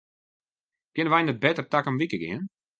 Kinne wy net better takom wike gean?